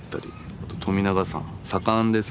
あと富永さん左官です。